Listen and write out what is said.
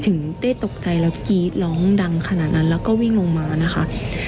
ถึงได้ตกใจแล้วกรี๊ดร้องดังขนาดนั้นแล้วก็วิ่งลงมานะคะ